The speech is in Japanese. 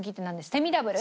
セミダブル。